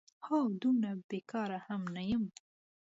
هو، دومره بېکاره هم نه یم؟!